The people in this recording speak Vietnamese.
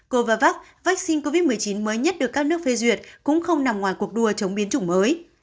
covavavax covid một mươi chín mới nhất được các nước phê duyệt cũng không nằm ngoài cuộc đua chống biến chủng mới